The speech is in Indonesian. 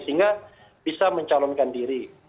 sehingga bisa mencalonkan diri